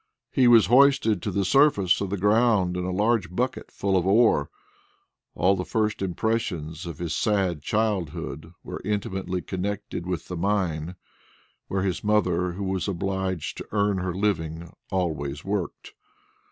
He was hoisted to the surface of the ground in a large bucket full of ore. All the first impressions of his sad childhood were intimately connected with the mine where his mother, who was obliged to earn her living, always worked.